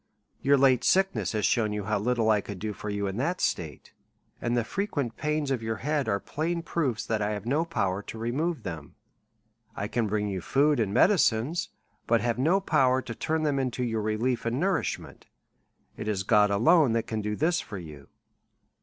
Your late sickness has shewn you how little I could do for you in that state ; and the frequent pains of your head are plain proofs, that I have no power to remove them. I can bring you food and medicines, but have no power to turn them into your relief and nourishment; it is God alone that can do this for you.